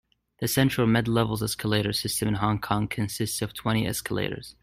The Central-Midlevels escalator system in Hong Kong consists of twenty escalators.